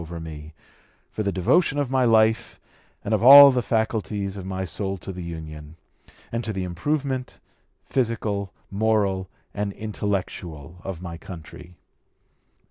215) over me, for the devotion of my life and of all the faculties of my soul to the Union, and to the improvement, physical, moral, and intellectual of my country."